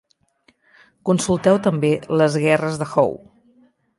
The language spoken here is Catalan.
Consulteu també les guerres de Haw.